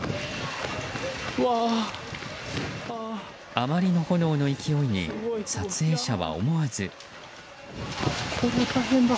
あまりの炎の勢いに撮影者は思わず。